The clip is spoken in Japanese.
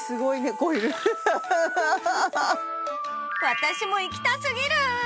私も行きたすぎる！